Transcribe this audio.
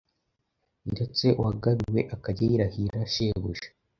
ndetse uwagabiwe akajya yirahira shebuja.